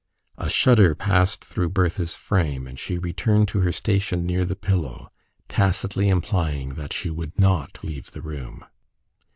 A shudder passed through Bertha's frame, and she returned to her station near the pillow, tacitly implying that she would not leave the room.